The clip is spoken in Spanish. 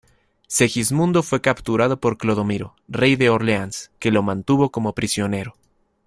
Segismundo fue capturado por Clodomiro, rey de Orleáns, que lo mantuvo como prisionero.